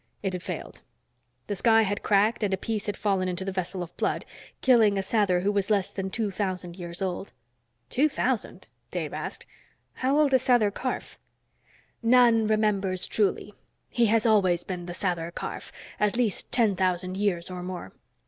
It had failed. The sky had cracked and a piece had fallen into the vessel of blood, killing a Sather who was less than two thousand years old. "Two thousand?" Dave asked. "How old is Sather Karf?" "None remembers truly. He has always been the Sather Karf at least ten thousand years or more.